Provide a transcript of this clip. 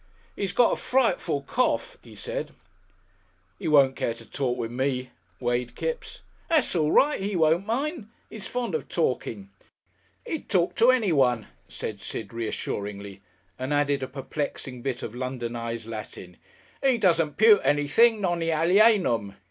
"He's got a frightful cough," he said. "He won't care to talk with me," weighed Kipps. "That's all right; he won't mind. He's fond of talking. He'd talk to anyone," said Sid, reassuringly, and added a perplexing bit of Londonized Latin. "He doesn't pute anything, non alienum.